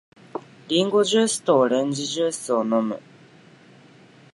リンゴジュースとオレンジジュースを飲む。